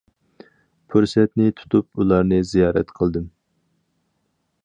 پۇرسەتنى تۇتۇپ ئۇلارنى زىيارەت قىلدىم.